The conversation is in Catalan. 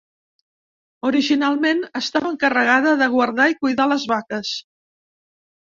Originalment estava encarregada de guardar i cuidar les vaques.